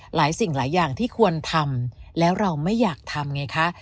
หลายสิ่งหลายอย่างที่ควรทำแล้วเราไม่อยากทำไงคะ